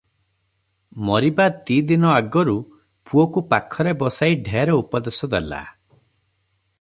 ମରିବା ଦି'ଦିନ ଆଗରୁ ପୁଅକୁ ପାଖରେ ବସାଇ ଢେର ଉପଦେଶ ଦେଲା ।